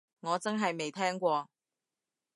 我真係未聽過